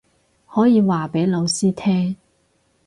可以話畀老師聽